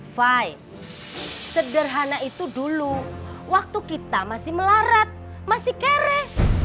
fi sederhana itu dulu waktu kita masih melarat masih keres